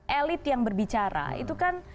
elit yang berbicara itu kan